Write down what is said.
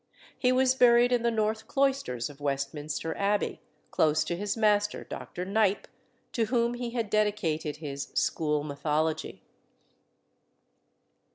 He was buried in the north cloisters of Westminster Abbey, close to his master, Dr. Knipe, to whom he had dedicated his School Mythology.